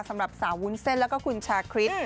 สำหรับสาววุ้นเส้นแล้วก็คุณชาคริส